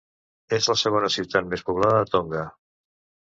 És la segona ciutat més poblada de Tonga.